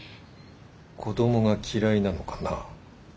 子どもが嫌いなのかな？